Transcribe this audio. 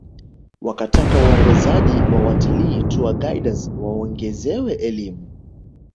Wakataka waongozaji wa watalii tour guides waongezewe elimu